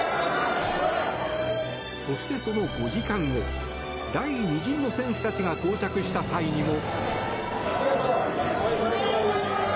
そして、その５時間後第２陣の選手たちが到着した際にも。